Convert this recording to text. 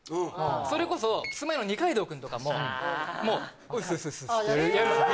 それこそキスマイの二階堂くんとかももうオッスオッスオッスってやるんですよ